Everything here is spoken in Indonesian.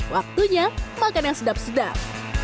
waktunya makan yang sedap sedap